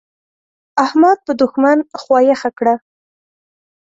احمد په دوښمن خوا يخه کړه.